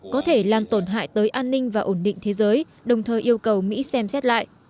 có thể làm tổn hại tới an ninh và ổn định thế giới đồng thời yêu cầu mỹ xem xét lại